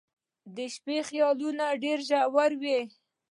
• د شپې خیالونه ډېر ژور وي.